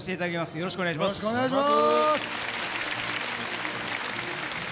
よろしくお願いします。